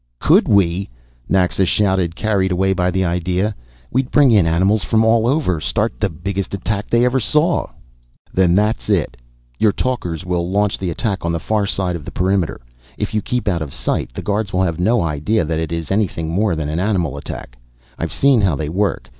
"Could we!" Naxa shouted, carried away by the idea. "We'd bring in animals from all over, start th'biggest attack they ev'r saw!" "Then that's it. Your talkers will launch the attack on the far side of the perimeter. If you keep out of sight, the guards will have no idea that it is anything more than an animal attack. I've seen how they work.